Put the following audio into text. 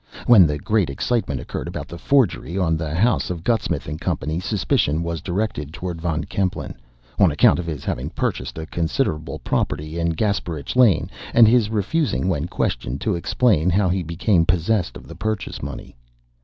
When the great excitement occurred about the forgery on the house of Gutsmuth & Co., suspicion was directed toward Von Kempelen, on account of his having purchased a considerable property in Gasperitch Lane, and his refusing, when questioned, to explain how he became possessed of the purchase money.